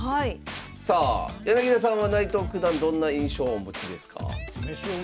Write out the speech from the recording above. さあ柳田さんは内藤九段どんな印象をお持ちですか？